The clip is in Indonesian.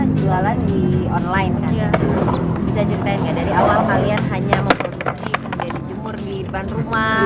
jualan di online bisa ceritain ya dari awal kalian hanya memproduksi jadi jemur di depan rumah